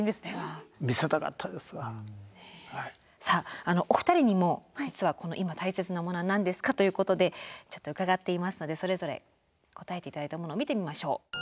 さあお二人にも実はこの「今たいせつなものは何ですか？」ということでちょっと伺っていますのでそれぞれ答えて頂いたものを見てみましょう。